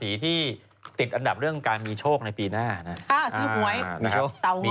อีกหนึ่งราศีนะครับ